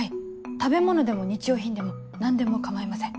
食べ物でも日用品でも何でも構いません。